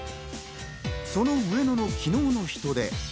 その上野の昨日の人出。